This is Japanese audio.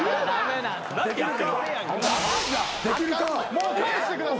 もう帰してください。